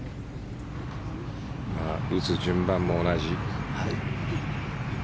打つ順番も同じ。